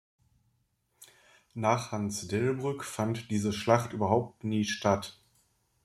Nach Hans Delbrück fand diese Schlacht überhaupt nie statt.